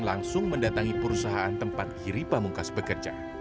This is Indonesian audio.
langsung mendatangi perusahaan tempat giri pamungkas bekerja